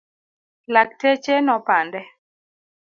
Lakteche nopande.